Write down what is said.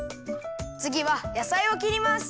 つぎはやさいをきります。